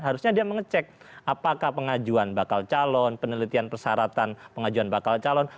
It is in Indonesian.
harusnya dia mengecek apakah pengajuan bakal calon penelitian persyaratan pengajuan bakal calon